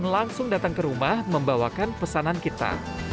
petugas akan langsung datang ke rumah membawakan pesanan kita